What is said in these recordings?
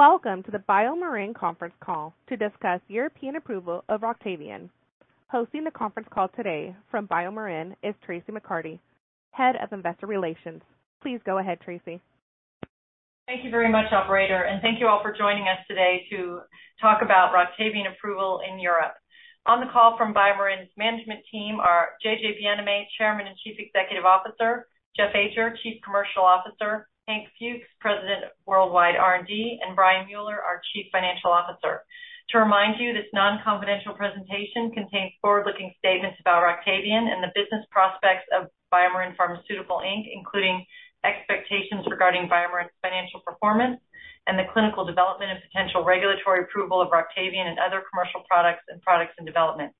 Welcome to the BioMarin Conference call to discuss European approval of Roctavian. Hosting the conference call today from BioMarin is Traci McCarty, Head of Investor Relations. Please go ahead, Traci. Thank you very much, operator, and thank you all for joining us today to talk about Roctavian approval in Europe. On the call from BioMarin's management team are JJ Bienaimé, Chairman and Chief Executive Officer, Jeff Ajer, Chief Commercial Officer, Hank Fuchs, President, Worldwide R&D, and Brian Mueller, our Chief Financial Officer. To remind you, this non-confidential presentation contains forward-looking statements about Roctavian and the business prospects of BioMarin Pharmaceutical, Inc., including expectations regarding BioMarin's financial performance and the clinical development and potential regulatory approval of Roctavian and other commercial products and products in development.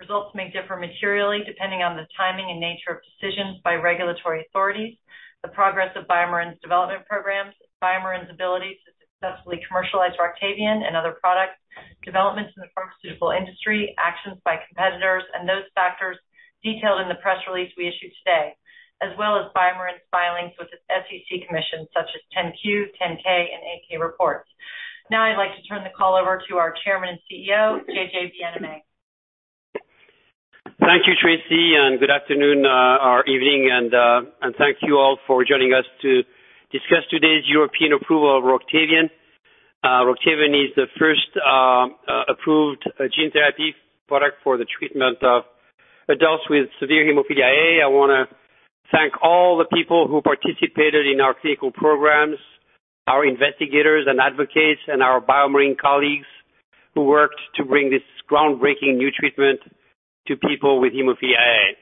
Results may differ materially depending on the timing and nature of decisions by regulatory authorities, the progress of BioMarin's development programs, BioMarin's ability to successfully commercialize Roctavian and other products, developments in the pharmaceutical industry, actions by competitors, and those factors detailed in the press release we issued today, as well as BioMarin's filings with the SEC such as 10-Q, 10-K, and 8-K reports. Now, I'd like to turn the call over to our Chairman and CEO, JJ Bienaimé. Thank you, Traci, and good afternoon, or evening, and thank you all for joining us to discuss today's European approval of Roctavian. Roctavian is the first approved gene therapy product for the treatment of adults with severe hemophilia A. I wanna thank all the people who participated in our clinical programs, our investigators and advocates, and our BioMarin colleagues who worked to bring this groundbreaking new treatment to people with hemophilia A.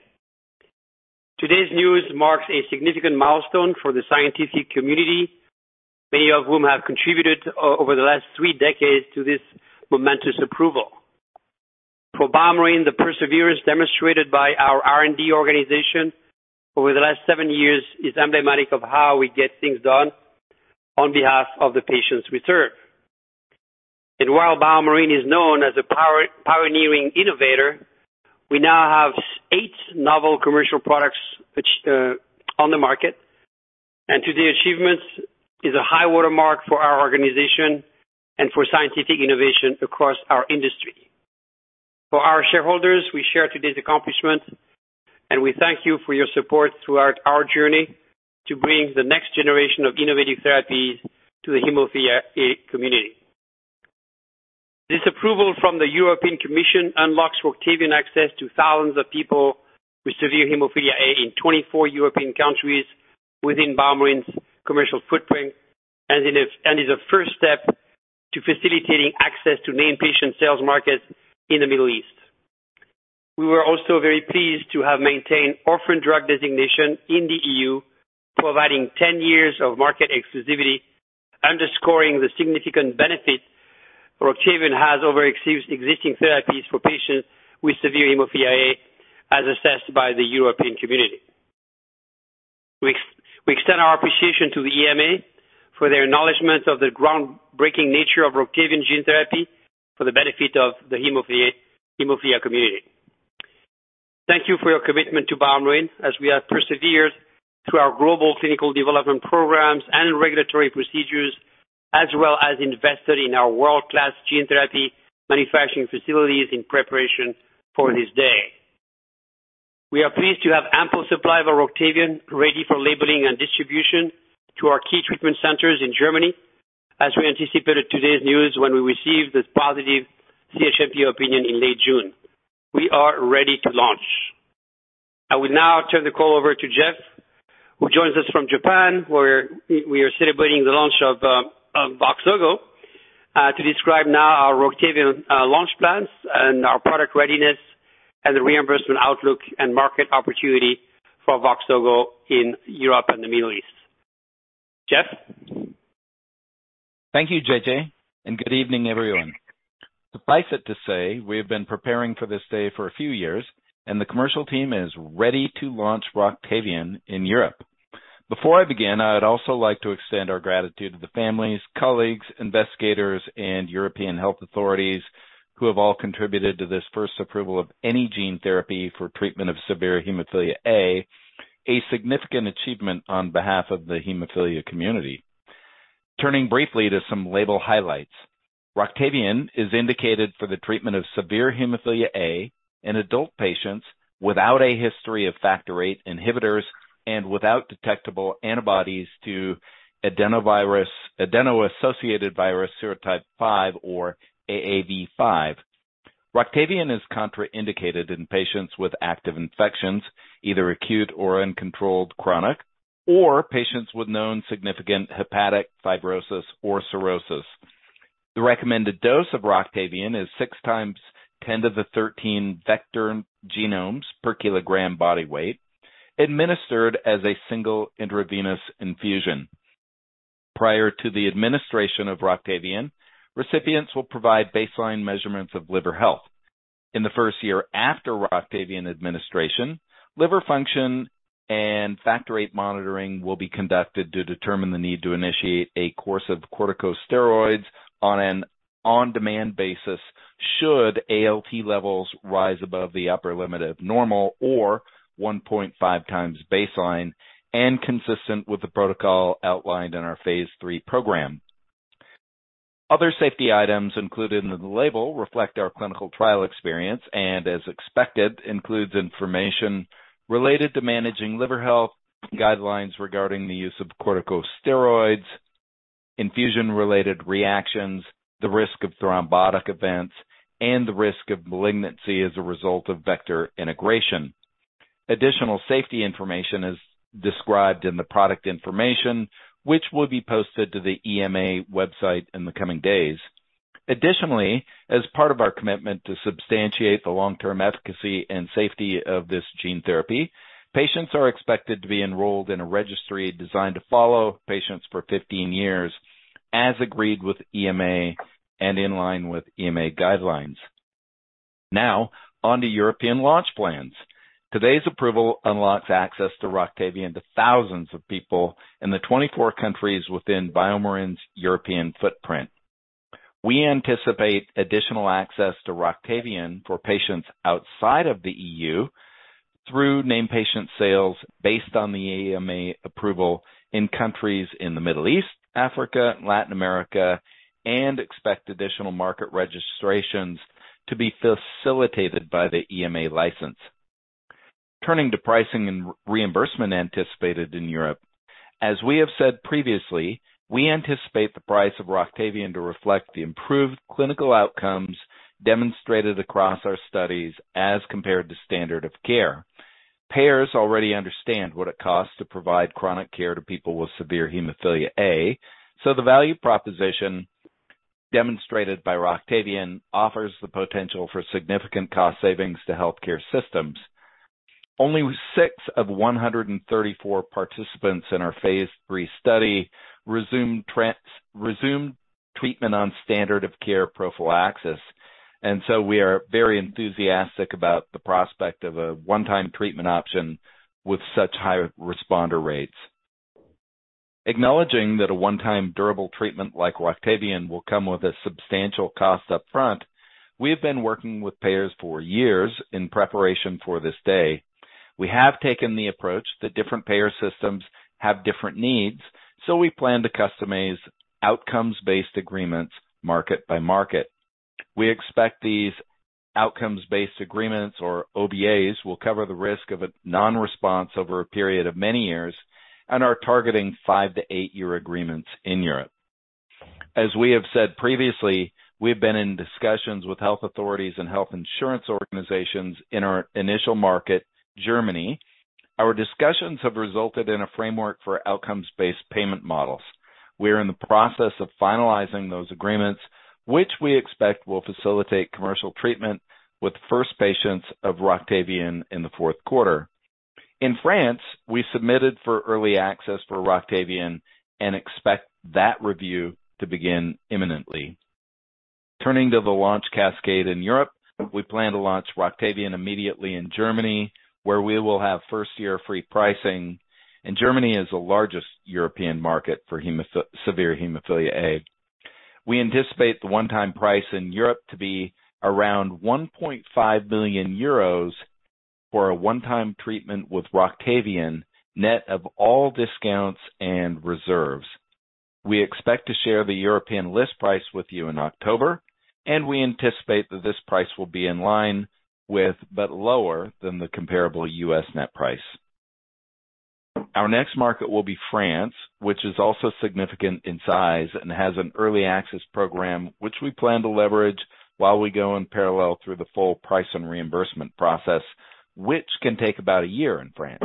Today's news marks a significant milestone for the scientific community, many of whom have contributed over the last three decades to this momentous approval. For BioMarin, the perseverance demonstrated by our R&D organization over the last seven years is emblematic of how we get things done on behalf of the patients we serve. While BioMarin is known as a power-pioneering innovator, we now have 8 novel commercial products which on the market. Today's achievement is a high watermark for our organization and for scientific innovation across our industry. For our shareholders, we share today's accomplishments, and we thank you for your support throughout our journey to bring the next generation of innovative therapies to the hemophilia A community. This approval from the European Commission unlocks Roctavian access to thousands of people with severe hemophilia A in 24 European countries within BioMarin's commercial footprint and is a first step to facilitating access to main patient sales markets in the Middle East. We were also very pleased to have maintained orphan drug designation in the EU, providing ten years of market exclusivity, underscoring the significant benefit Roctavian has over existing therapies for patients with severe hemophilia A, as assessed by the European community. We extend our appreciation to the EMA for their acknowledgment of the groundbreaking nature of Roctavian gene therapy for the benefit of the hemophilia community. Thank you for your commitment to BioMarin as we have persevered through our global clinical development programs and regulatory procedures, as well as invested in our world-class gene therapy manufacturing facilities in preparation for this day. We are pleased to have ample supply of our Roctavian ready for labeling and distribution to our key treatment centers in Germany. As we anticipated today's news when we received this positive CHMP opinion in late June. We are ready to launch. I will now turn the call over to Jeff, who joins us from Japan, where we are celebrating the launch of Voxzogo, to describe now our Roctavian launch plans and our product readiness and the reimbursement outlook and market opportunity for Voxzogo in Europe and the Middle East. Jeff? Thank you, JJ, and good evening, everyone. Suffice it to say, we have been preparing for this day for a few years, and the commercial team is ready to launch Roctavian in Europe. Before I begin, I would also like to extend our gratitude to the families, colleagues, investigators, and European health authorities who have all contributed to this first approval of any gene therapy for treatment of severe hemophilia A, a significant achievement on behalf of the hemophilia community. Turning briefly to some label highlights. Roctavian is indicated for the treatment of severe hemophilia A in adult patients without a history of Factor VIII inhibitors and without detectable antibodies to adenovirus, Adeno-Associated Virus serotype 5 or AAV5. Roctavian is contraindicated in patients with active infections, either acute or uncontrolled chronic, or patients with known significant hepatic fibrosis or cirrhosis. The recommended dose of Roctavian is 6 × 10^13 vector genomes per kilogram body weight, administered as a single intravenous infusion. Prior to the administration of Roctavian, recipients will provide baseline measurements of liver health. In the first year after Roctavian administration, liver function and Factor VIII monitoring will be conducted to determine the need to initiate a course of corticosteroids on an on-demand basis. Should ALT levels rise above the upper limit of normal or 1.5x baseline and consistent with the protocol outlined in our phase III program. Other safety items included in the label reflect our clinical trial experience and as expected, includes information related to managing liver health, guidelines regarding the use of corticosteroids, infusion-related reactions, the risk of thrombotic events, and the risk of malignancy as a result of vector integration. Additional safety information is described in the product information, which will be posted to the EMA website in the coming days. Additionally, as part of our commitment to substantiate the long-term efficacy and safety of this gene therapy, patients are expected to be enrolled in a registry designed to follow patients for 15 years, as agreed with EMA and in line with EMA guidelines. Now on to European launch plans. Today's approval unlocks access to Roctavian to thousands of people in the 24 countries within BioMarin's European footprint. We anticipate additional access to Roctavian for patients outside of the EU through named patient sales based on the EMA approval in countries in the Middle East, Africa, Latin America, and expect additional market registrations to be facilitated by the EMA license. Turning to pricing and reimbursement anticipated in Europe. As we have said previously, we anticipate the price of Roctavian to reflect the improved clinical outcomes demonstrated across our studies as compared to standard of care. Payers already understand what it costs to provide chronic care to people with severe hemophilia A, so the value proposition demonstrated by Roctavian offers the potential for significant cost savings to healthcare systems. Only six of 134 participants in our phase III study resumed treatment on standard of care prophylaxis, and we are very enthusiastic about the prospect of a one-time treatment option with such high responder rates. Acknowledging that a one-time durable treatment like Roctavian will come with a substantial cost up front, we have been working with payers for years in preparation for this day. We have taken the approach that different payer systems have different needs, so we plan to customize outcomes-based agreements market by market. We expect these outcomes-based agreements, or OBAs, will cover the risk of a non-response over a period of many years and are targeting five-eight-year agreements in Europe. As we have said previously, we've been in discussions with health authorities and health insurance organizations in our initial market, Germany. Our discussions have resulted in a framework for outcomes-based payment models. We are in the process of finalizing those agreements, which we expect will facilitate commercial treatment with first patients of Roctavian in the fourth quarter. In France, we submitted for early access for Roctavian and expect that review to begin imminently. Turning to the launch cascade in Europe, we plan to launch Roctavian immediately in Germany, where we will have first year free pricing, and Germany is the largest European market for severe hemophilia A. We anticipate the one-time price in Europe to be around 1.5 million euros for a one-time treatment with Roctavian, net of all discounts and reserves. We expect to share the European list price with you in October, and we anticipate that this price will be in line with, but lower than the comparable U.S. net price. Our next market will be France, which is also significant in size and has an early access program which we plan to leverage while we go in parallel through the full price and reimbursement process, which can take about a year in France.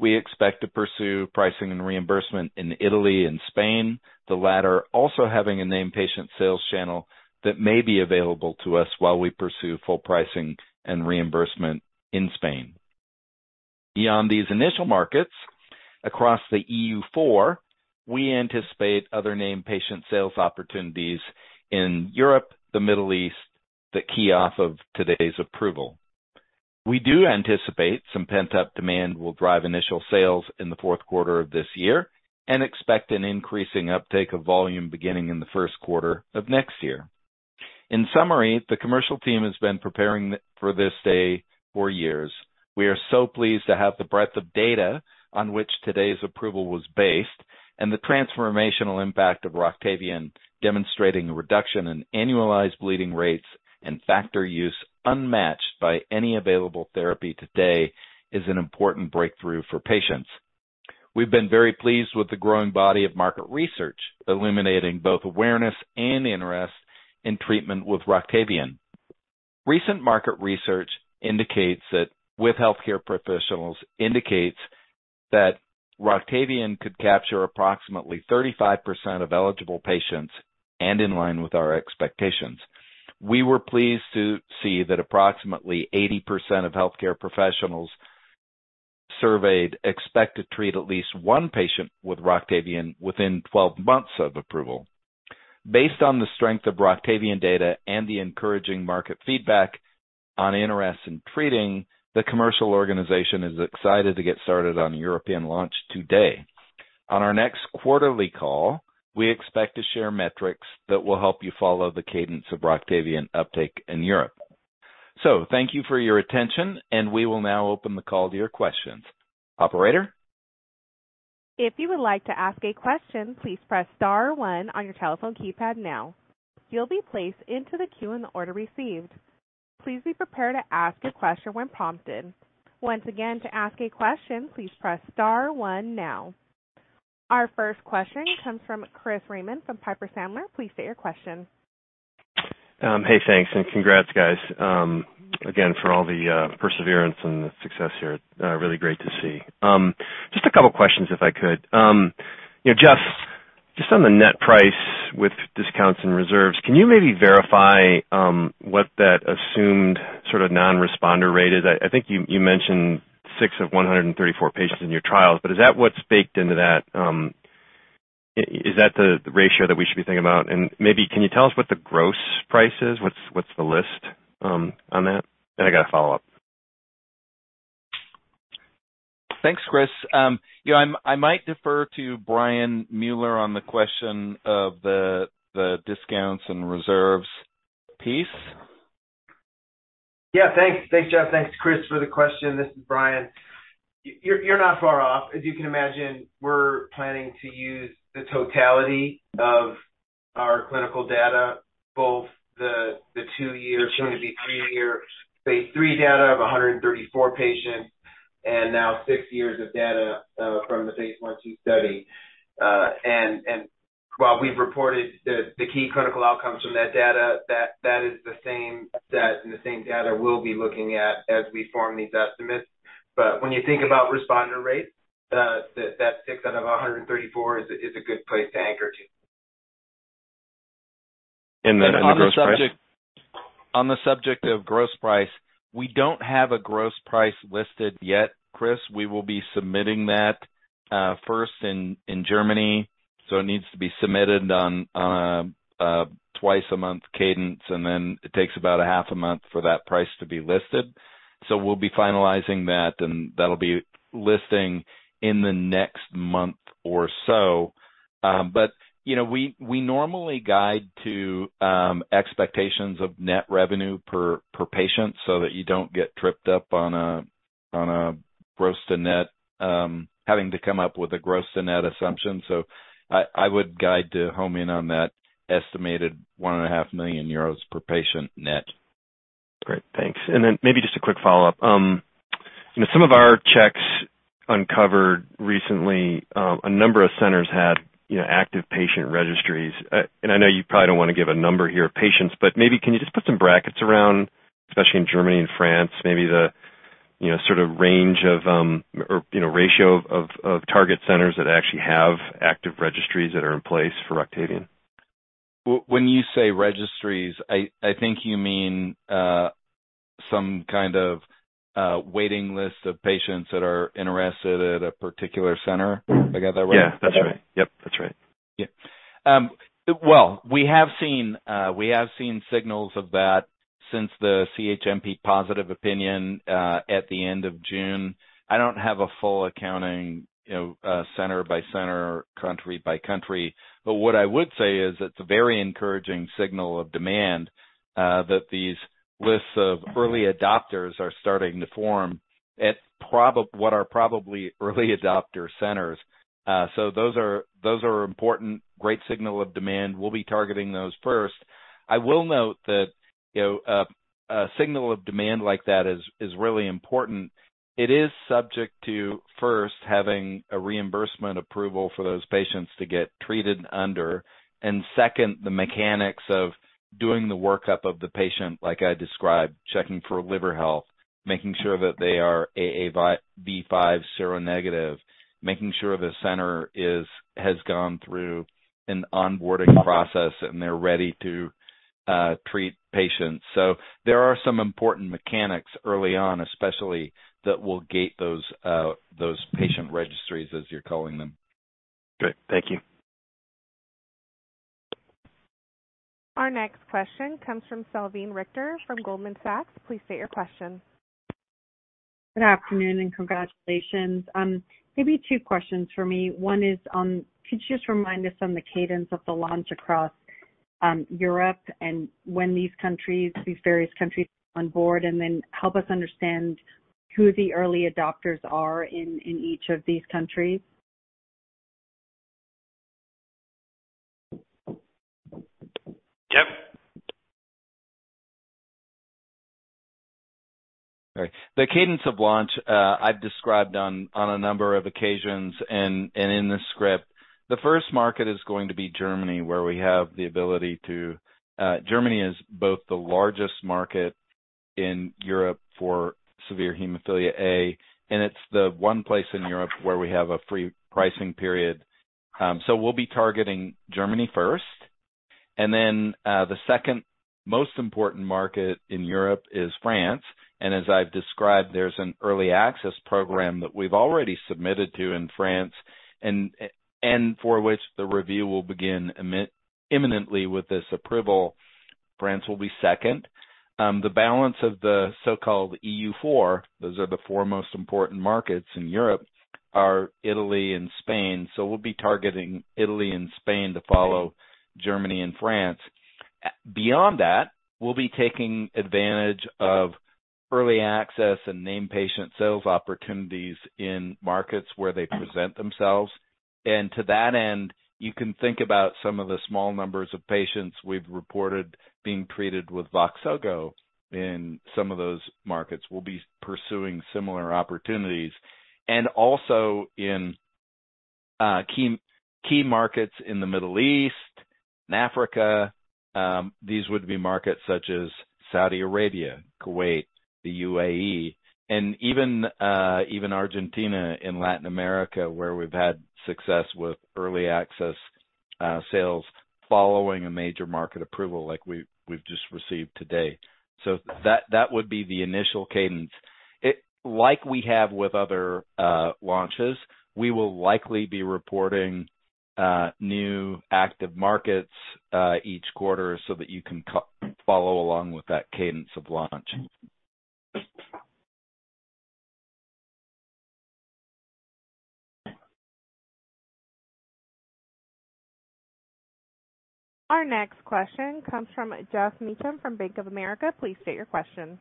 We expect to pursue pricing and reimbursement in Italy and Spain, the latter also having a named patient sales channel that may be available to us while we pursue full pricing and reimbursement in Spain. Beyond these initial markets across the EU4, we anticipate other named patient sales opportunities in Europe, the Middle East that key off of today's approval. We do anticipate some pent-up demand will drive initial sales in the fourth quarter of this year and expect an increasing uptake of volume beginning in the first quarter of next year. In summary, the commercial team has been preparing for this day for years. We are so pleased to have the breadth of data on which today's approval was based and the transformational impact of Roctavian demonstrating a reduction in annualized bleeding rates and factor use unmatched by any available therapy to date is an important breakthrough for patients. We've been very pleased with the growing body of market research illuminating both awareness and interest in treatment with Roctavian. Recent market research indicates that with healthcare professionals Roctavian could capture approximately 35% of eligible patients and in line with our expectations. We were pleased to see that approximately 80% of healthcare professionals surveyed expect to treat at least one patient with Roctavian within 12 months of approval. Based on the strength of Roctavian data and the encouraging market feedback on interest in treating, the commercial organization is excited to get started on European launch today. On our next quarterly call, we expect to share metrics that will help you follow the cadence of Roctavian uptake in Europe. Thank you for your attention, and we will now open the call to your questions. Operator? If you would like to ask a question, please press star one on your telephone keypad now. You'll be placed into the queue in the order received. Please be prepared to ask your question when prompted. Once again, to ask a question, please press star one now. Our first question comes from Chris Raymond from Piper Sandler. Please state your question. Hey, thanks, and congrats guys, again, for all the perseverance and the success here. Really great to see. Just a couple questions if I could. You know, Jeff, just on the net price with discounts and reserves, can you maybe verify what that assumed sort of non-responder rate is? I think you mentioned six of 134 patients in your trials, but is that what's baked into that? Is that the ratio that we should be thinking about? Maybe can you tell us what the gross price is? What's the list on that? Then I got a follow-up. Thanks, Chris. You know, I might defer to Brian Mueller on the question of the discounts and reserves piece. Yeah, thanks. Thanks, Jeff. Thanks, Chris, for the question. This is Brian. You're not far off. As you can imagine, we're planning to use the totality of our clinical data, both the two-year, soon-to-be three-year phase III data of 134 patients and now six years of data from the Phase I/II study. While we've reported the key clinical outcomes from that data, that is the same set and the same data we'll be looking at as we form these estimates. When you think about responder rates, that six out of 134 is a good place to anchor to. On the gross price? On the subject of gross price, we don't have a gross price listed yet, Chris. We will be submitting that first in Germany, so it needs to be submitted on a twice-a-month cadence, and then it takes about a half a month for that price to be listed. We'll be finalizing that, and that'll be listing in the next month or so. You know, we normally guide to expectations of net revenue per patient so that you don't get tripped up on a gross to net having to come up with a gross to net assumption. I would guide to home in on that estimated 1.5 million euros per patient net. Great. Thanks. Maybe just a quick follow-up. You know, some of our checks uncovered recently a number of centers had you know active patient registries. I know you probably don't want to give a number here of patients, but maybe can you just put some brackets around, especially in Germany and France, maybe the you know sort of range of or you know ratio of target centers that actually have active registries that are in place for Roctavian? When you say registries, I think you mean some kind of a waiting list of patients that are interested at a particular center. I got that right? Yeah, that's right. Yep, that's right. Yeah. Well, we have seen signals of that since the CHMP positive opinion at the end of June. I don't have a full accounting, you know, center by center, country by country. What I would say is it's a very encouraging signal of demand that these lists of early adopters are starting to form at probably early adopter centers. Those are important, great signal of demand. We'll be targeting those first. I will note that, you know, a signal of demand like that is really important. It is subject to, first, having a reimbursement approval for those patients to get treated under, and second, the mechanics of doing the workup of the patient like I described, checking for liver health, making sure that they are AAV5 seronegative, making sure the center has gone through an onboarding process and they're ready to treat patients. So there are some important mechanics early on, especially that will gate those patient registries, as you're calling them. Great. Thank you. Our next question comes from Salveen Richter from Goldman Sachs. Please state your question. Good afternoon and congratulations. Maybe two questions for me. One is on, could you just remind us on the cadence of the launch across Europe and when these various countries on board? Help us understand who the early adopters are in each of these countries. Jeff? All right. The cadence of launch, I've described on a number of occasions and in the script. The first market is going to be Germany. Germany is both the largest market in Europe for severe hemophilia A, and it's the one place in Europe where we have a free pricing period. We'll be targeting Germany first. The second most important market in Europe is France. As I've described, there's an early access program that we've already submitted to in France and for which the review will begin imminently with this approval. France will be second. The balance of the so-called EU4, those are the four most important markets in Europe, are Italy and Spain. We'll be targeting Italy and Spain to follow Germany and France. Beyond that, we'll be taking advantage of early access and name patient sales opportunities in markets where they present themselves. To that end, you can think about some of the small numbers of patients we've reported being treated with Voxzogo in some of those markets. We'll be pursuing similar opportunities. Also in key markets in the Middle East and Africa, these would be markets such as Saudi Arabia, Kuwait, the UAE, and even Argentina and Latin America, where we've had success with early access sales following a major market approval like we've just received today. That would be the initial cadence. Like we have with other launches, we will likely be reporting new active markets each quarter so that you can follow along with that cadence of launch. Our next question comes from Geoff Meacham from Bank of America. Please state your question.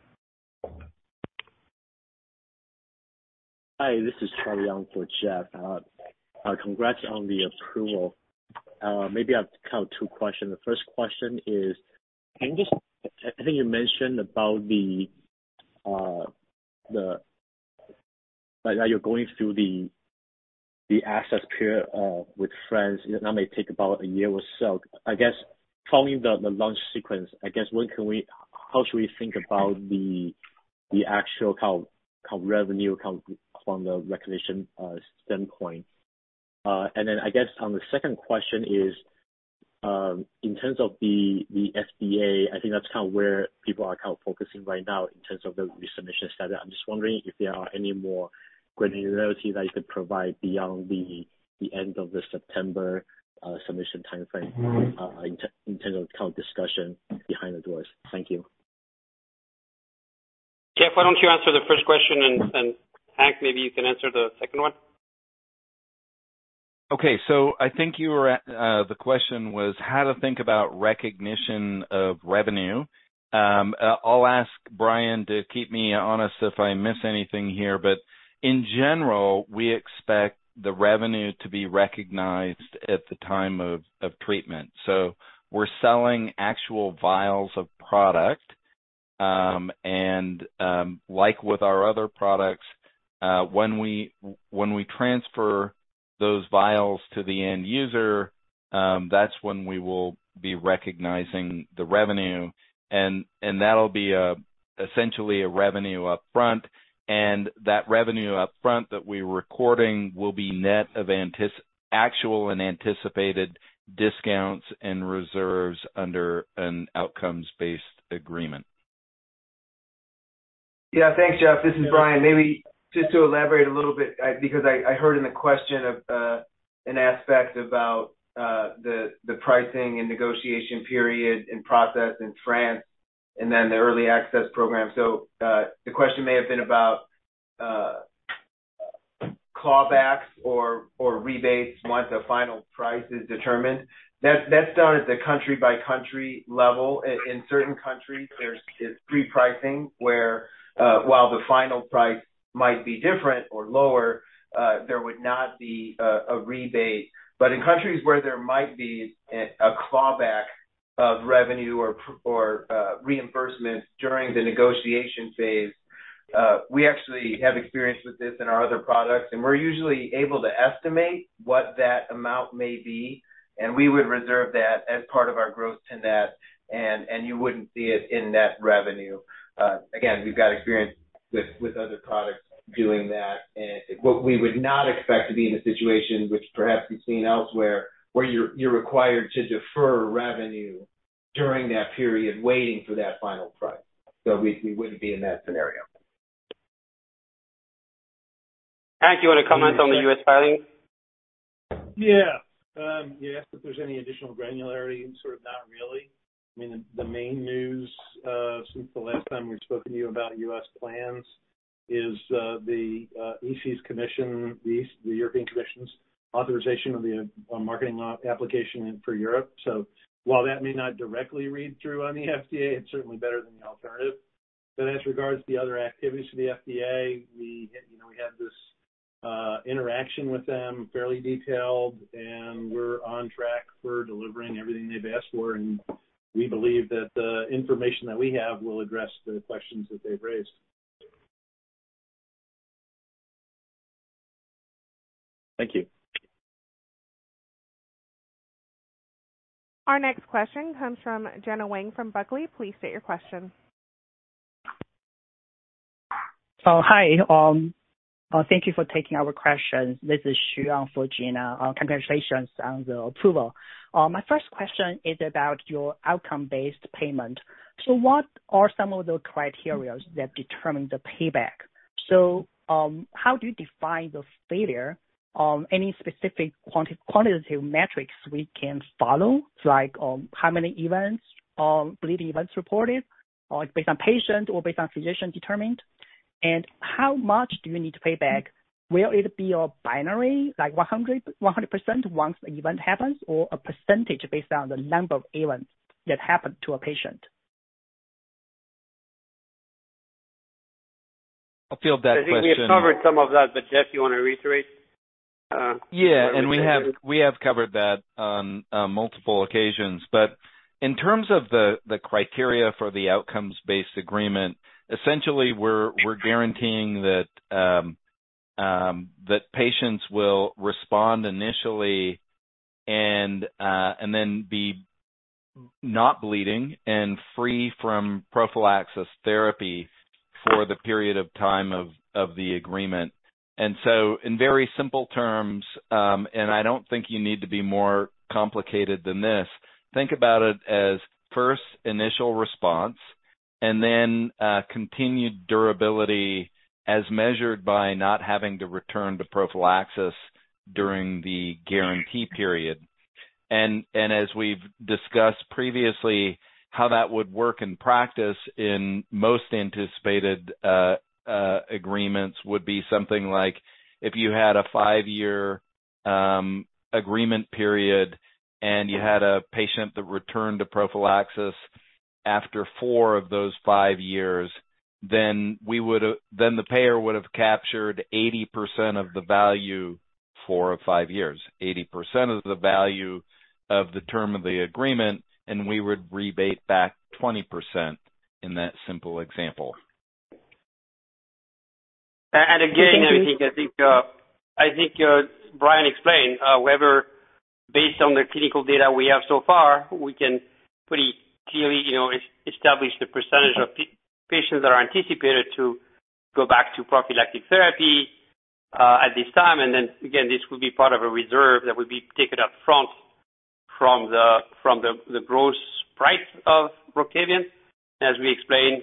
Hi, this is Charlie Young for Jeff Meacham. Congrats on the approval. Maybe I have kind of two questions. The first question is, I think you mentioned about that you're going through the assessment period with France, and that may take about a year or so. I guess following the launch sequence, I guess, how should we think about the actual kind of revenue from the recognition standpoint? And then I guess on the second question is, in terms of the FDA, I think that's kind of where people are kind of focusing right now in terms of the resubmission study. I'm just wondering if there are any more granularity that you could provide beyond the end of the September submission timeframe, in terms of kind of discussion behind the doors? Thank you. Jeff, why don't you answer the first question and, Hank, maybe you can answer the second one. Okay. I think you were the question was how to think about recognition of revenue. I'll ask Brian to keep me honest if I miss anything here, but in general, we expect the revenue to be recognized at the time of treatment. We're selling actual vials of product, and like with our other products, when we transfer those vials to the end user, that's when we will be recognizing the revenue. That'll be essentially a revenue up front. That revenue up front that we're recording will be net of actual and anticipated discounts and reserves under an outcomes-based agreement. Yeah. Thanks, Jeff. This is Brian. Maybe just to elaborate a little bit, because I heard in the question an aspect about the pricing and negotiation period and process in France and then the early access program. The question may have been about clawbacks or rebates once a final price is determined. That's done at the country-by-country level. In certain countries, there's this repricing where while the final price might be different or lower, there would not be a rebate. In countries where there might be a clawback of revenue or reimbursement during the negotiation phase, we actually have experience with this in our other products, and we're usually able to estimate what that amount may be, and we would reserve that as part of our gross to net, and you wouldn't see it in net revenue. Again, we've got experience with other products doing that. What we would not expect to be in a situation which perhaps we've seen elsewhere, where you're required to defer revenue during that period waiting for that final price. We wouldn't be in that scenario. Hank, you want to comment on the U.S. filing? Yeah. You asked if there's any additional granularity. Sort of not really. I mean, the main news since the last time we've spoken to you about U.S. plans is the European Commission's authorization of the marketing application for Europe. While that may not directly read through on the FDA, it's certainly better than the alternative. As regards the other activities for the FDA, you know, we have this interaction with them, fairly detailed, and we're on track for delivering everything they've asked for. We believe that the information that we have will address the questions that they've raised. Thank you. Our next question comes from Gina Wang from Barclays. Please state your question. Hi. Thank you for taking our questions. This is Xin Wang for Gina Wang. Congratulations on the approval. My first question is about your outcome-based payment. What are some of the criteria that determine the payback? How do you define the failure? Any specific quantitative metrics we can follow, like how many events, bleeding events reported, or based on patient or based on physician determined? How much do you need to pay back? Will it be a binary like 100% once the event happens, or a percentage based on the number of events that happened to a patient? I'll field that question. I think we have covered some of that, but Jeff, you want to reiterate. Yeah. We have covered that on multiple occasions. In terms of the criteria for the Outcomes-Based Agreement, essentially we're guaranteeing that patients will respond initially and then be not bleeding and free from prophylaxis therapy for the period of time of the agreement. In very simple terms, and I don't think you need to be more complicated than this, think about it as first initial response and then continued durability as measured by not having to return to prophylaxis during the guarantee period. As we've discussed previously, how that would work in practice in most anticipated agreements would be something like if you had a five-year agreement period and you had a patient that returned to prophylaxis after four of those five years, then we would have... The payer would have captured 80% of the value for four of five years. 80% of the value of the term of the agreement, and we would rebate back 20% in that simple example. Thank you. I think Brian explained, however, based on the clinical data we have so far, we can pretty clearly, you know, establish the percentage of patients that are anticipated to go back to prophylactic therapy, at this time. This will be part of a reserve that will be taken up front from the gross price of Roctavian. As we explained,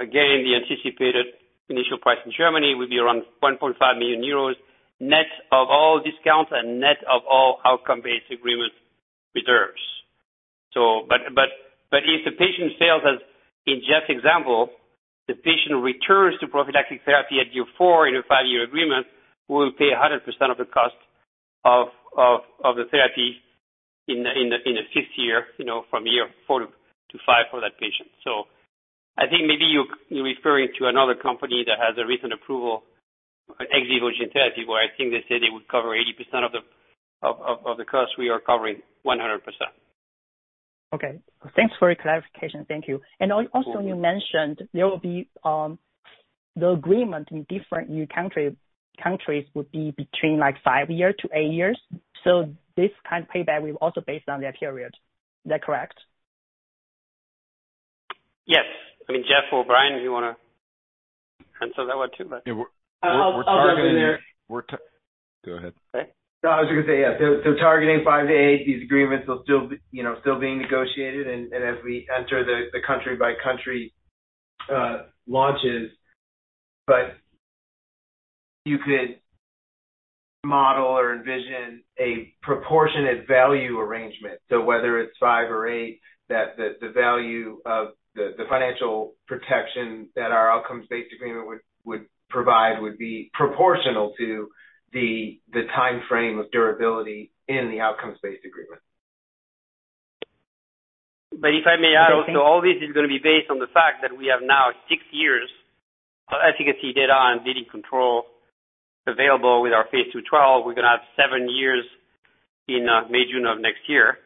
again, the anticipated initial price in Germany will be around 1.5 million euros, net of all discounts and net of all outcome-based agreement reserves. If the patient fails, as in Jeff Ajer's example, the patient returns to prophylactic therapy at year four in a five-year agreement, we'll pay 100% of the cost of the therapy in the fifth year, you know, from year four to five for that patient. I think maybe you're referring to another company that has a recent approval, ex vivo gene therapy, where I think they said they would cover 80% of the cost. We are covering 100%. Okay. Thanks for your clarification. Thank you. Of course. Also you mentioned there will be the agreement in different new country, countries would be between like five-eight years. This kind of payback will also based on that period. Is that correct? Yes. I mean, Jeff or Brian, do you want to answer that one too? Yeah. We're targeting. I'll jump in there. Go ahead. No, I was gonna say yes. Targeting five-eight, these agreements will still be, you know, still being negotiated and as we enter the country-by-country launches. You could model or envision a proportionate value arrangement. Whether it's five or eight that the value of the financial protection that our outcomes-based agreement would provide would be proportional to the timeframe of durability in the outcomes-based agreement. If I may add also, all this is going to be based on the fact that we have now six years of efficacy data on bleeding control available with our phase two trial. We're gonna have seven years in mid-June of next year.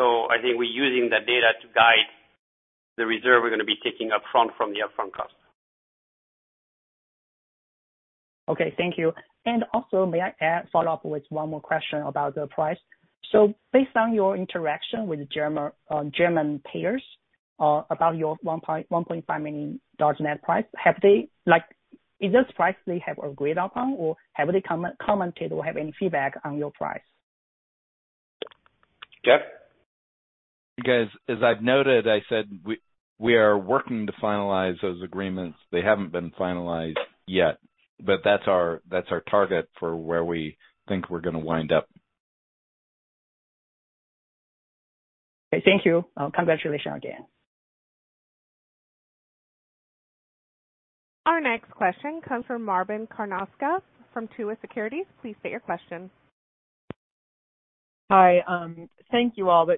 I think we're using that data to guide the reserve we're gonna be taking upfront from the upfront cost. Okay. Thank you. May I add follow up with one more question about the price? Based on your interaction with German payers, about your $1.5 million net price, have they, like, is this price they have agreed upon or have they commented or have any feedback on your price? Jeff? Because as I've noted, I said we are working to finalize those agreements. They haven't been finalized yet, but that's our target for where we think we're gonna wind up. Okay. Thank you. Congratulations again. Our next question comes from Robyn Karnauskas from Truist Securities. Please state your question. Hi. Thank you all.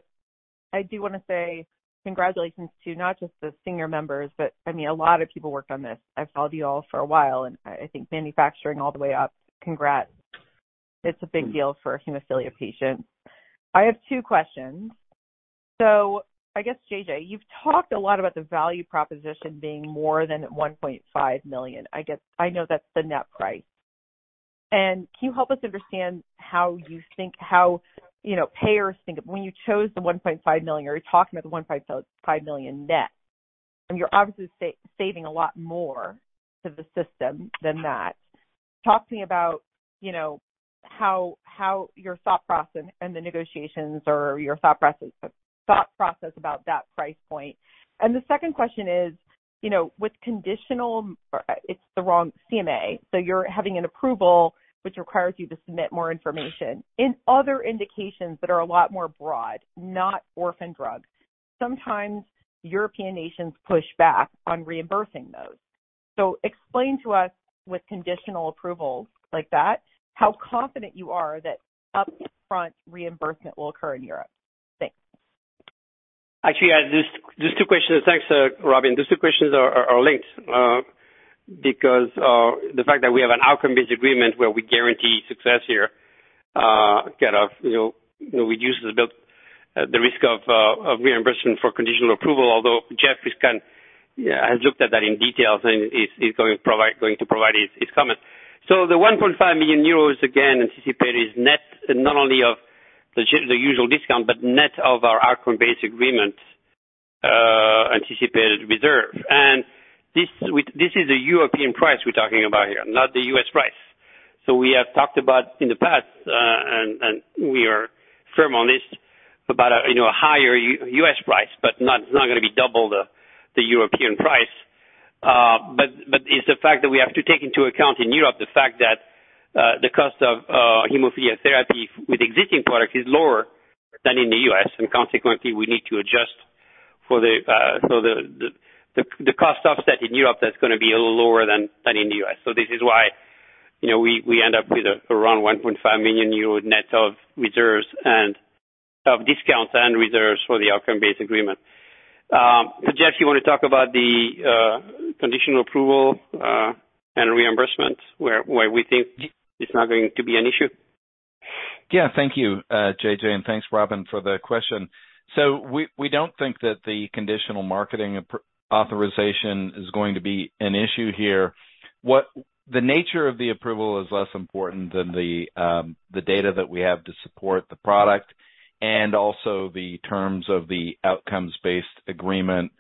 I do want to say congratulations to not just the senior members, but I mean, a lot of people worked on this. I've followed you all for a while, and I think manufacturing all the way up. Congrats. It's a big deal for hemophilia patients. I have two questions. I guess, JJ, you've talked a lot about the value proposition being more than $1.5 million. I guess, I know that's the net price. Can you help us understand how you think, you know, payers think of. When you chose the $1.5 million, are you talking about the $1.5 million net? You're obviously saving a lot more to the system than that. Talk to me about, you know, how your thought process and the negotiations or your thought process about that price point. The second question is, you know, with conditional, it's the wrong CMA, so you're having an approval which requires you to submit more information. In other indications that are a lot more broad, not orphan drugs, sometimes European nations push back on reimbursing those. Explain to us, with conditional approvals like that, how confident you are that upfront reimbursement will occur in Europe. Thanks. Actually, these two questions. Thanks, Robyn. These two questions are linked because the fact that we have an outcome-based agreement where we guarantee success here kind of you know reduces the risk of reimbursement for conditional approval. Although Jeff has looked at that in detail and is going to provide his comments. The 1.5 million euros, again, anticipated is net not only of the usual discount but net of our outcome-based agreement anticipated reserve. This is the European price we're talking about here, not the U.S. price. We have talked about in the past, and we are firm on this about, you know, a higher U.S. price, but it's not gonna be double the European price. It's the fact that we have to take into account in Europe the fact that the cost of hemophilia therapy with existing product is lower than in the U.S., and consequently, we need to adjust for the cost offset in Europe that's gonna be a little lower than in the U.S. This is why, you know, we end up with around 1.5 million euro net of reserves and of discounts and reserves for the outcomes-based agreement. Jeff, you wanna talk about the conditional approval and reimbursement where we think it's not going to be an issue. Thank you, JJ, and thanks, Robyn, for the question. We don't think that the conditional marketing authorization is going to be an issue here. The nature of the approval is less important than the data that we have to support the product and also the terms of the outcomes-based agreement,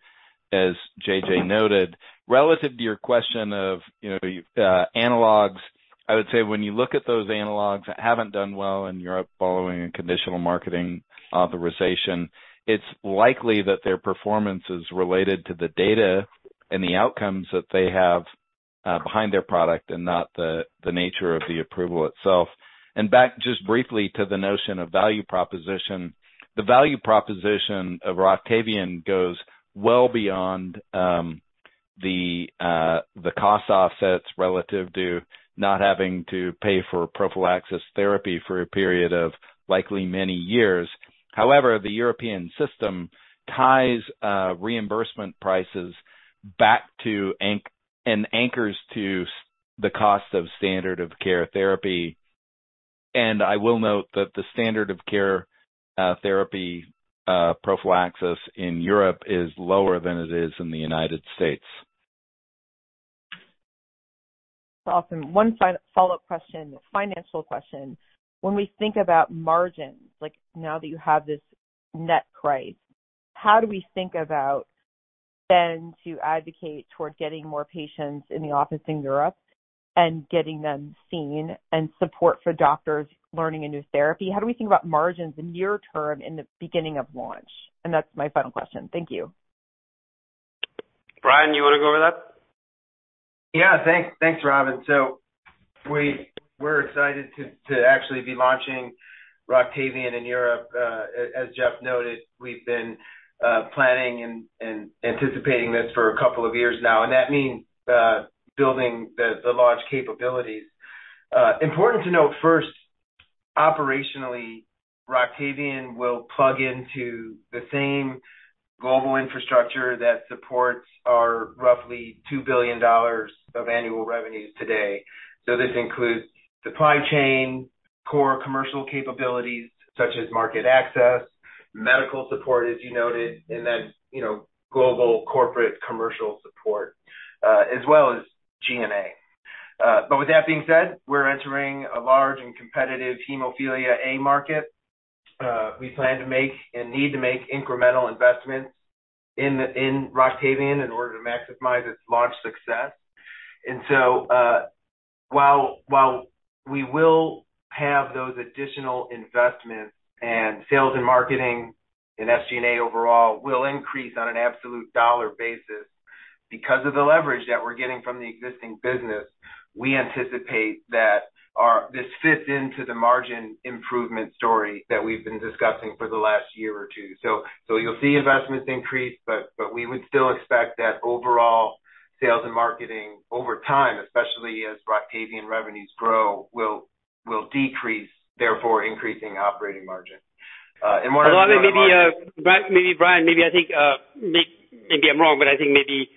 as JJ noted. Relative to your question of, you know, analogs, I would say when you look at those analogs that haven't done well in Europe following a conditional marketing authorization, it's likely that their performance is related to the data and the outcomes that they have behind their product and not the nature of the approval itself. Back just briefly to the notion of value proposition. The value proposition of Roctavian goes well beyond the cost offsets relative to not having to pay for prophylaxis therapy for a period of likely many years. However, the European system ties reimbursement prices back to and anchors to the cost of standard of care therapy. I will note that the standard of care therapy prophylaxis in Europe is lower than it is in the United States. Awesome. One follow-up question, financial question. When we think about margins, like now that you have this net price, how do we think about then to advocate towards getting more patients in the office in Europe and getting them seen and support for doctors learning a new therapy? How do we think about margins in near term in the beginning of launch? That's my final question. Thank you. Brian, you wanna go over that? Yeah. Thanks. Thanks, Robyn. We're excited to actually be launching Roctavian in Europe. As Jeff noted, we've been planning and anticipating this for a couple of years now, and that means building the launch capabilities. Important to note first, operationally, Roctavian will plug into the same global infrastructure that supports our roughly $2 billion of annual revenues today. This includes supply chain, core commercial capabilities such as market access, medical support as you noted, and then, you know, global corporate commercial support, as well as G&A. But with that being said, we're entering a large and competitive hemophilia A market. We plan to make and need to make incremental investments in Roctavian in order to maximize its launch success. While we will have those additional investments and sales and marketing and SG&A overall will increase on an absolute dollar basis because of the leverage that we're getting from the existing business, we anticipate that our this fits into the margin improvement story that we've been discussing for the last year or two. You'll see investments increase, but we would still expect that overall sales and marketing over time, especially as Roctavian revenues grow, will decrease, therefore, increasing operating margin. Robyn, maybe Brian, maybe I think, maybe I'm wrong, but I think maybe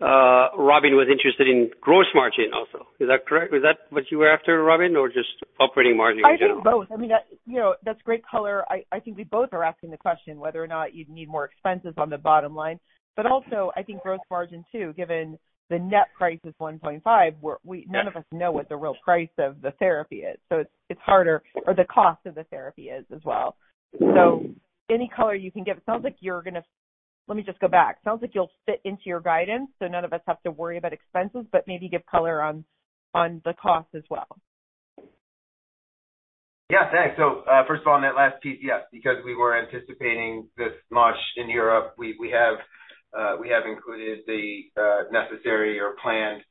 Robyn was interested in gross margin also. Is that correct? Was that what you were after, Robyn, or just operating margin in general? I think both. I mean, that, you know, that's great color. I think we both are asking the question whether or not you'd need more expenses on the bottom line. Also I think gross margin too, given the net price is 1.5, where we, none of us know what the real price of the therapy is. It's harder or the cost of the therapy is as well. Any color you can give. It sounds like you'll fit into your guidance, so none of us have to worry about expenses, but maybe give color on the cost as well. Yeah. Thanks. First of all, on that last piece, yes, because we were anticipating this launch in Europe, we have included the necessary or planned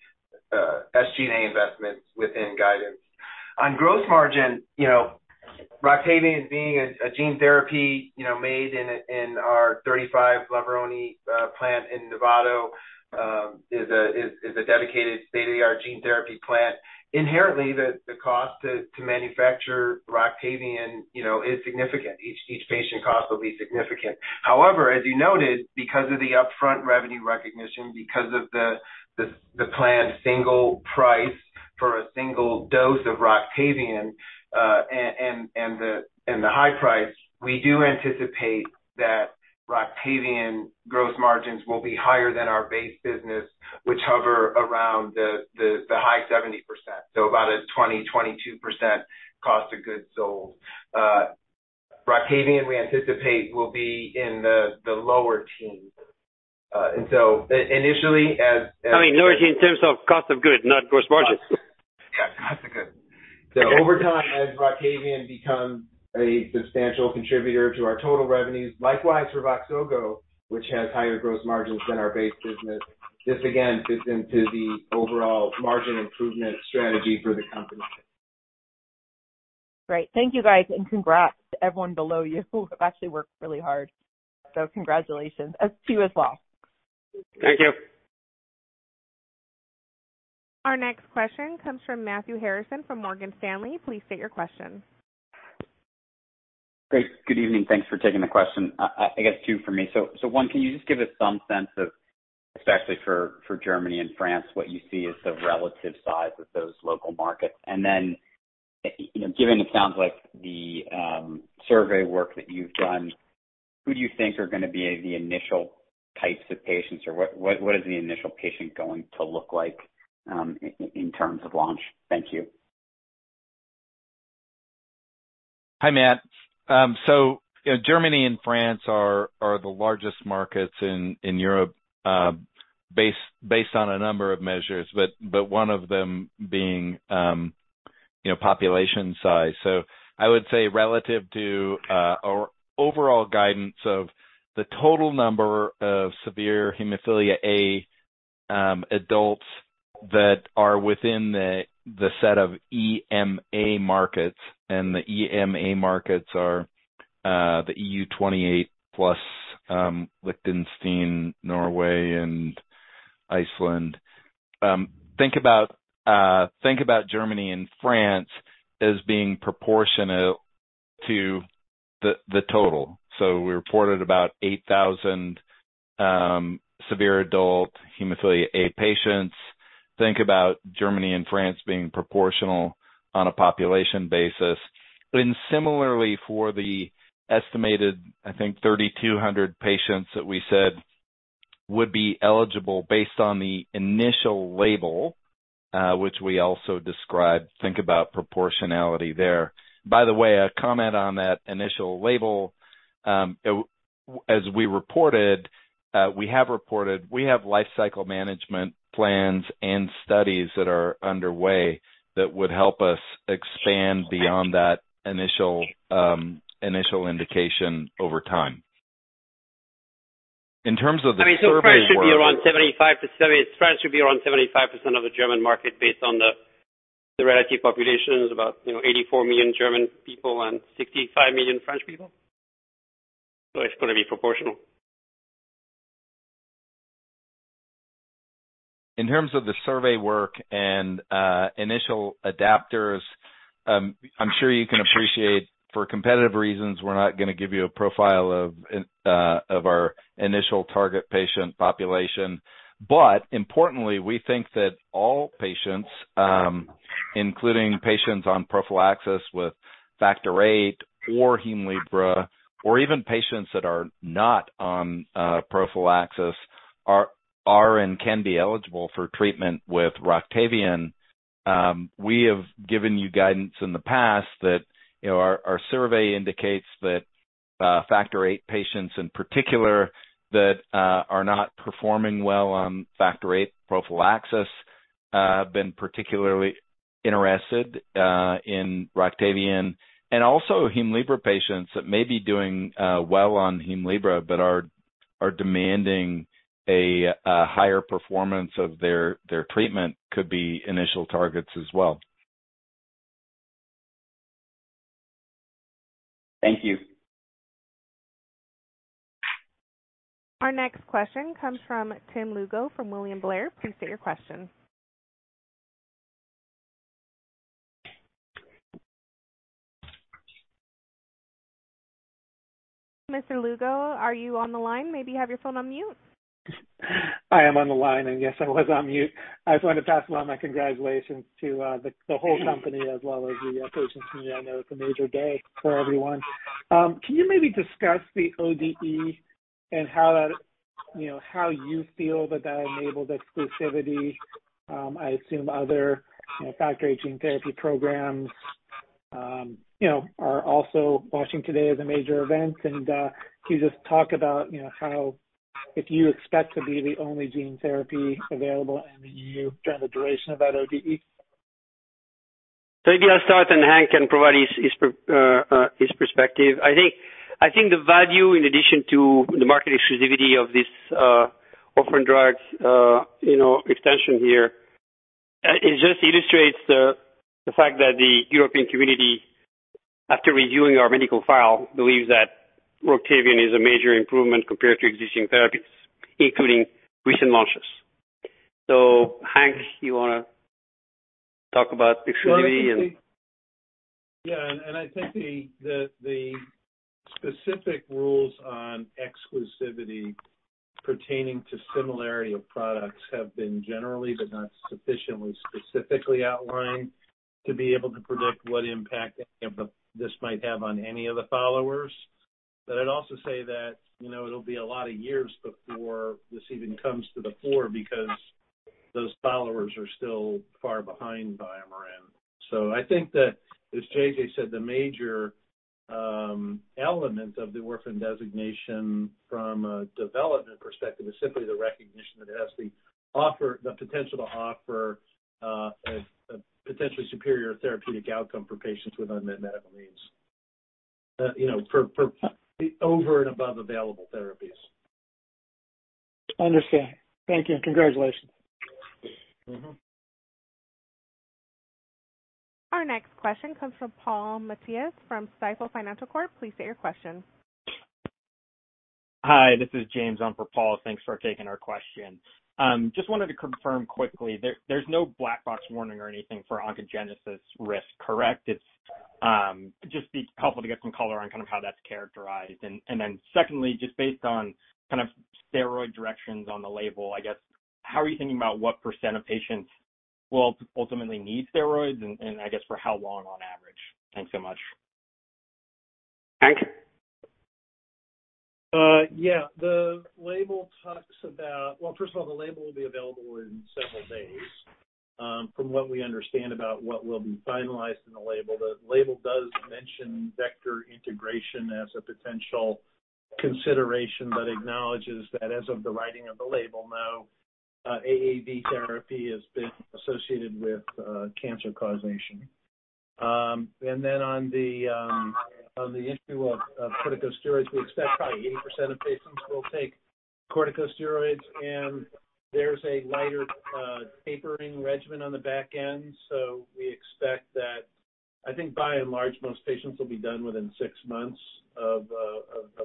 SG&A investments within guidance. On gross margin, you know, Roctavian as being a gene therapy, you know, made in our 35 [inaudible] plant in Novato, is a dedicated state-of-the-art gene therapy plant. Inherently, the cost to manufacture Roctavian, you know, is significant. Each patient cost will be significant. However, as you noted, because of the upfront revenue recognition, because of the planned single price for a single dose of Roctavian, and the high price, we do anticipate that Roctavian gross margins will be higher than our base business, which hover around the high 70%. About a 22% cost of goods sold. Roctavian, we anticipate, will be in the lower teens%. I mean, lower teens in terms of cost of goods, not gross margin. Yeah, cost of goods. Over time, as Roctavian becomes a substantial contributor to our total revenues, likewise for Voxzogo, which has higher gross margins than our base business, this again fits into the overall margin improvement strategy for the company. Great. Thank you, guys. Congrats to everyone below you who have actually worked really hard. Congratulations to you as well. Thank you. Our next question comes from Matthew Harrison from Morgan Stanley. Please state your question. Great. Good evening. Thanks for taking the question. I guess two for me. So one, can you just give us some sense of, especially for Germany and France, what you see as the relative size of those local markets? And then, you know, given it sounds like the survey work that you've done, who do you think are gonna be the initial types of patients, or what is the initial patient going to look like, in terms of launch? Thank you. Hi, Matt. You know, Germany and France are the largest markets in Europe based on a number of measures, but one of them being you know, population size. I would say relative to our overall guidance of the total number of severe hemophilia A adults that are within the set of EMA markets, and the EMA markets are the EU 28+ Liechtenstein, Norway, and Iceland. Think about Germany and France as being proportionate to the total. We reported about 8,000 severe adult hemophilia A patients. Think about Germany and France being proportional on a population basis. Similarly for the estimated, I think 3,200 patients that we said would be eligible based on the initial label, which we also described, think about proportionality there. By the way, a comment on that initial label. As we reported, we have lifecycle management plans and studies that are underway that would help us expand beyond that initial indication over time. In terms of the survey work. I mean, France should be around 75%. France should be around 75% of the German market based on the relative populations, about, you know, 84 million German people and 65 million French people. It's gonna be proportional. In terms of the survey work and initial adopters, I'm sure you can appreciate, for competitive reasons, we're not gonna give you a profile of our initial target patient population. Importantly, we think that all patients, including patients on prophylaxis with Factor VIII or Hemlibra, or even patients that are not on prophylaxis are and can be eligible for treatment with Roctavian. We have given you guidance in the past that, you know, our survey indicates that Factor VIII patients in particular that are not performing well on Factor VIII prophylaxis have been particularly interested in Roctavian. Also Hemlibra patients that may be doing well on Hemlibra but are demanding a higher performance of their treatment could be initial targets as well. Thank you. Our next question comes from Tim Lugo from William Blair. Please state your question. Mr. Lugo, are you on the line? Maybe you have your phone on mute. I am on the line, and yes, I was on mute. I just wanted to pass along my congratulations to the whole company as well as the patients. I know it's a major day for everyone. Can you maybe discuss the ODE and how that- You know, how you feel that enabled exclusivity. I assume other, you know, factor gene therapy programs, you know, are also watching today as a major event. Can you just talk about, you know, how if you expect to be the only gene therapy available in the EU during the duration of that ODE? Maybe I'll start, and Hank can provide his perspective. I think the value in addition to the market exclusivity of this orphan drug, you know, extension here, it just illustrates the fact that the European Commission after reviewing our medical file believes that Roctavian is a major improvement compared to existing therapies, including recent launches. Hank, you wanna talk about exclusivity and. Yeah, I think the specific rules on exclusivity pertaining to similarity of products have been generally but not sufficiently specifically outlined to be able to predict what impact any of this might have on any of the followers. I'd also say that, you know, it'll be a lot of years before this even comes to the fore because those followers are still far behind BioMarin. I think that, as JJ said, the major element of the orphan designation from a development perspective is simply the recognition that it has the potential to offer a potentially superior therapeutic outcome for patients with unmet medical needs. You know, for over and above available therapies. Understand. Thank you. Congratulations. Mm-hmm. Our next question comes from Paul Matteis from Stifel Financial Corp. Please state your question. Hi, this is James on for Paul. Thanks for taking our question. Just wanted to confirm quickly, there's no black box warning or anything for oncogenesis risk, correct? It'd just be helpful to get some color on kind of how that's characterized. Then secondly, just based on kind of steroid directions on the label, I guess, how are you thinking about what percent of patients will ultimately need steroids and I guess for how long on average? Thanks so much. Hank? Yeah. The label talks about. Well, first of all, the label will be available in several days. From what we understand about what will be finalized in the label, the label does mention vector integration as a potential consideration, but acknowledges that as of the writing of the label, no AAV therapy has been associated with cancer causation. Then on the issue of corticosteroids, we expect probably 80% of patients will take corticosteroids, and there's a lighter tapering regimen on the back end. We expect that, I think by and large, most patients will be done within six months of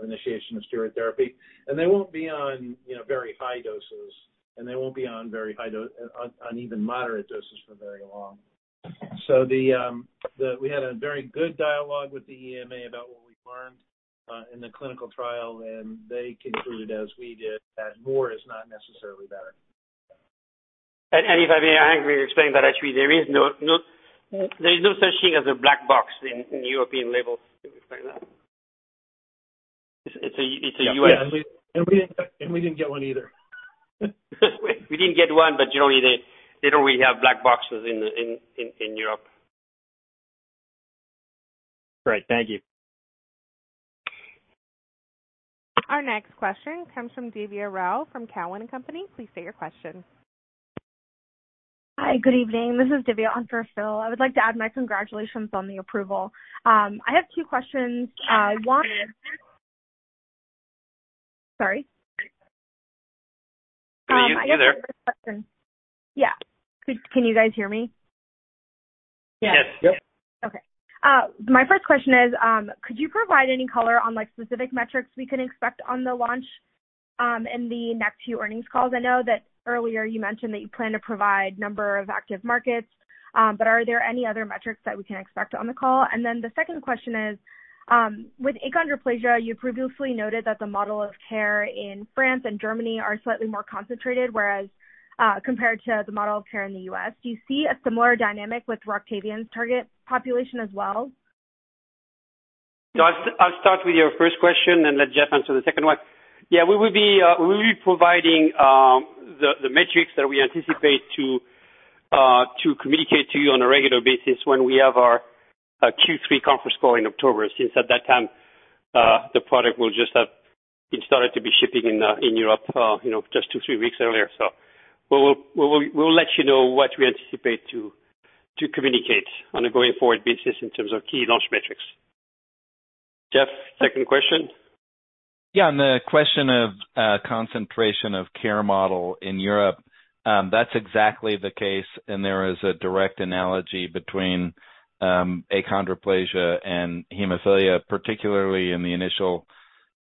initiation of steroid therapy. They won't be on, you know, very high doses, and they won't be on even moderate doses for very long. We had a very good dialogue with the EMA about what we learned in the clinical trial, and they concluded as we did, that more is not necessarily better. If I may, Hank will explain that actually there's no such thing as a black box in European labels like that. It's a U.S.- Yeah. We didn't get one either. We didn't get one, but generally they don't really have black boxes in Europe. Great. Thank you. Our next question comes from Divya Rao from TD Cowen. Please state your question. Hi. Good evening. This is Divya on for Phil. I would like to add my congratulations on the approval. I have two questions. Divya, you're there. I have two questions. Yeah. Can you guys hear me? Yes. Yes. Okay. My first question is, could you provide any color on like specific metrics we can expect on the launch, in the next few earnings calls? I know that earlier you mentioned that you plan to provide number of active markets, but are there any other metrics that we can expect on the call? Then the second question is, with achondroplasia, you previously noted that the model of care in France and Germany are slightly more concentrated, whereas, compared to the model of care in the U.S. Do you see a similar dynamic with Roctavian's target population as well? I'll start with your first question and let Jeff answer the second one. Yeah, we will be providing the metrics that we anticipate to communicate to you on a regular basis when we have our Q3 conference call in October. Since at that time, the product will just have been started to be shipping in Europe, you know, just two-three weeks earlier. We'll let you know what we anticipate to communicate on a going forward basis in terms of key launch metrics. Jeff, second question. Yeah. On the question of concentration of care model in Europe, that's exactly the case, and there is a direct analogy between achondroplasia and hemophilia, particularly in the initial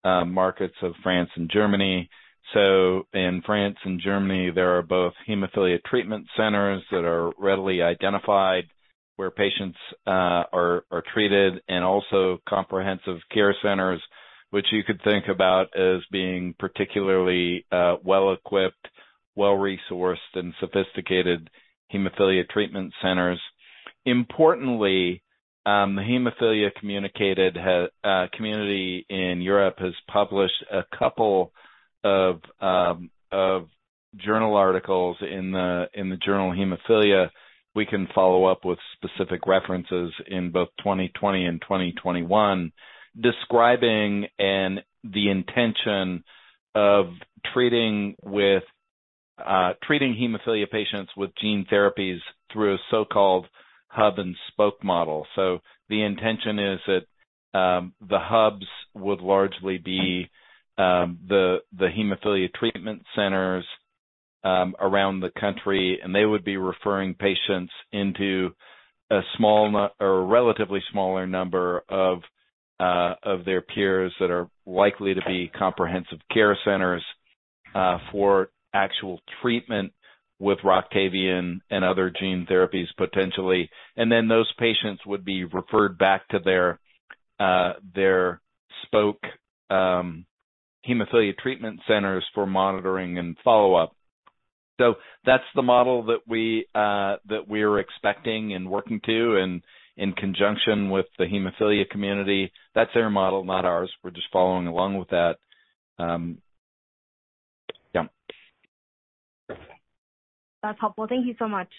markets of France and Germany. In France and Germany, there are both hemophilia treatment centers that are readily identified where patients are treated and also comprehensive care centers, which you could think about as being particularly well-equipped, well-resourced and sophisticated hemophilia treatment centers. Importantly, the hemophilia community in Europe has published a couple of journal articles in the journal Hemophilia. We can follow up with specific references in both 2020 and 2021 describing the intention of treating hemophilia patients with gene therapies through a so-called hub and spoke model. The intention is that the hubs would largely be the hemophilia treatment centers around the country, and they would be referring patients into a small or a relatively smaller number of their peers that are likely to be comprehensive care centers for actual treatment with Roctavian and other gene therapies potentially. Those patients would be referred back to their spoke hemophilia treatment centers for monitoring and follow-up. That's the model that we're expecting and working to in conjunction with the hemophilia community. That's their model, not ours. We're just following along with that. Yeah. That's helpful. Thank you so much.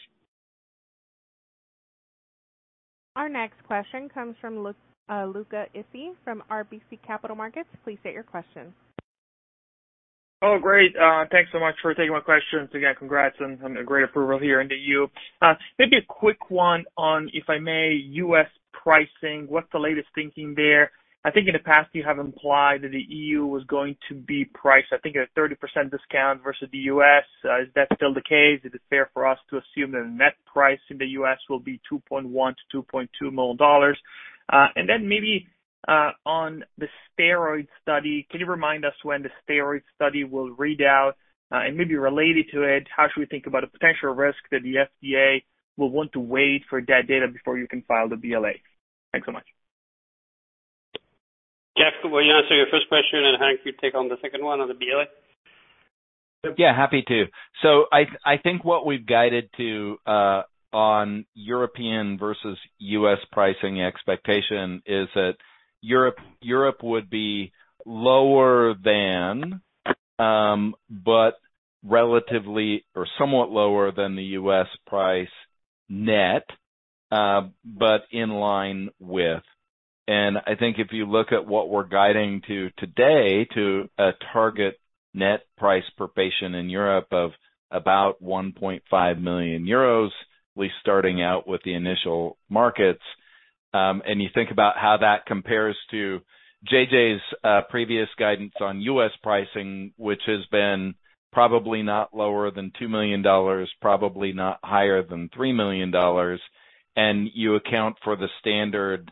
Our next question comes from Luca Issi from RBC Capital Markets. Please state your question. Oh, great. Thanks so much for taking my questions again. Congrats on a great approval here in the EU. Maybe a quick one on, if I may, U.S. pricing. What's the latest thinking there? I think in the past you have implied that the EU was going to be priced, I think at a 30% discount versus the US. Is that still the case? Is it fair for us to assume the net price in the U.S. will be $2.1 million-$2.2 million? And then maybe on the steroid study, can you remind us when the steroid study will read out? And maybe related to it, how should we think about a potential risk that the FDA will want to wait for that data before you can file the BLA? Thanks so much. Jeff, will you answer your first question and, Hank, you take on the second one on the BLA? Yeah, happy to. I think what we've guided to on European versus U.S. pricing expectation is that Europe would be lower than, but relatively or somewhat lower than the U.S. price net, but in line with. I think if you look at what we're guiding to today to a target net price per patient in Europe of about 1.5 million euros, at least starting out with the initial markets, and you think about how that compares to JJ's previous guidance on U.S. pricing, which has been probably not lower than $2 million, probably not higher than $3 million. You account for the standard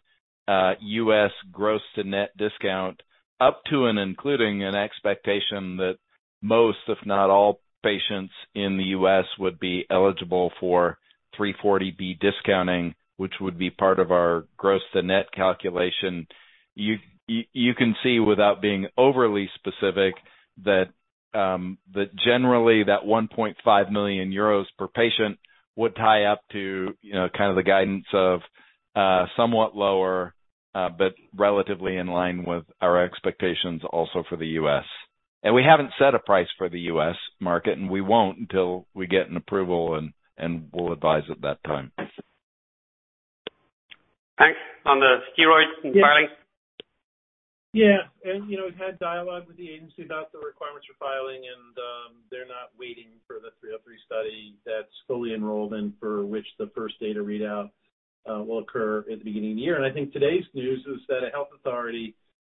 US gross to net discount up to and including an expectation that most, if not all, patients in the U.S. would be eligible for 340B discounting, which would be part of our gross to net calculation. You can see, without being overly specific, that generally that 1.5 million euros per patient would tie up to, you know, kind of the guidance of somewhat lower but relatively in line with our expectations also for the U.S. We haven't set a price for the U.S. market, and we won't until we get an approval and we'll advise at that time. Thanks. On the studies and filings. Yeah. You know, we've had dialogue with the agency about the requirements for filing and they're not waiting for the Study 270-303 that's fully enrolled and for which the first data readout will occur at the beginning of the year. I think today's news is that a health authority,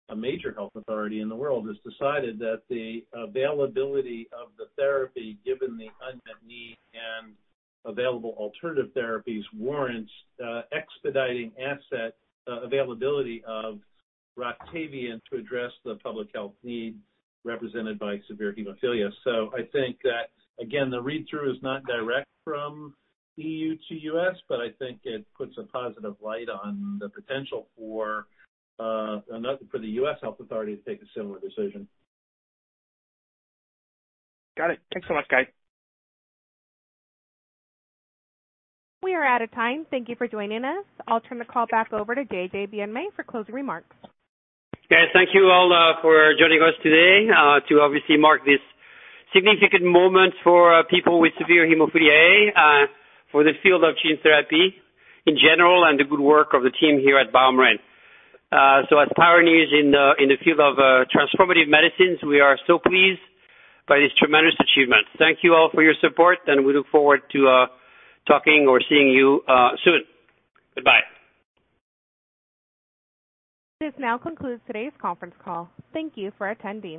a major health authority in the world, has decided that the availability of the therapy, given the unmet need and available alternative therapies, warrants expediting asset availability of Roctavian to address the public health need represented by severe hemophilia. I think that again, the read-through is not direct from EU to U.S., but I think it puts a positive light on the potential for another for the U.S. health authority to take a similar decision. Got it. Thanks so much, guys. We are out of time. Thank you for joining us. I'll turn the call back over to Jean-Jacques Bienaimé for closing remarks. Yes, thank you all for joining us today to obviously mark this significant moment for people with severe hemophilia A for the field of gene therapy in general and the good work of the team here at BioMarin. As pioneers in the field of transformative medicines, we are so pleased by this tremendous achievement. Thank you all for your support, and we look forward to talking or seeing you soon. Goodbye. This now concludes today's conference call. Thank you for attending.